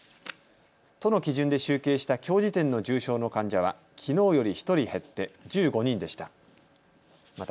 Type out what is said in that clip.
都の基準で集計したきょう時点の重症の患者は、きのうより１人減って１５人でした。